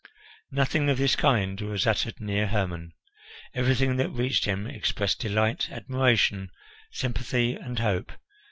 Nothing of this kind was uttered near Hermon. Everything that reached him expressed delight, admiration, sympathy, and hope.